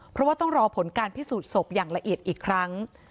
เพราะว่าต้องรอผลการพิสูจน์ศพอย่างละเอียดอีกครั้ง